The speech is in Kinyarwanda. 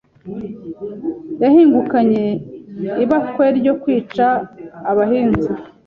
Yahingukanye ibakwe ryo kwica abahinza